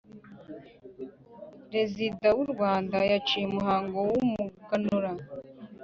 rezida w'u rwanda yaciye umuhango w'umuganura